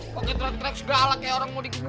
lo ngapain disitu jangan disitu